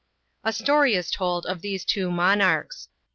A story is told of these two monarchs.